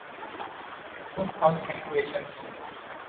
Don’t ask any questions.